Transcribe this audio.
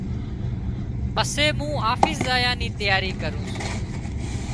پسي مُون آفيس زايا نِي تياري ڪرُون سوُن۔